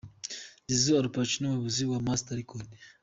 Zizou Alpacino umuyobozi wa Monster Record.